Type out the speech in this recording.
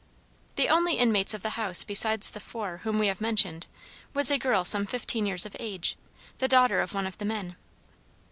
The only inmates of the house besides the four whom we have mentioned was a girl some fifteen years of age, the daughter of one of the men.